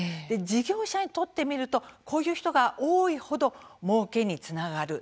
事業者にとってみるとこういう人が多い程もうけにつながる。